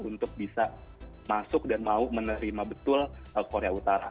untuk bisa masuk dan mau menerima betul korea utara